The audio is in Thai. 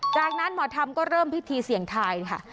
จากนั้นหมอธรรมก็เริ่มพิธีเสี่ยงทายค่ะ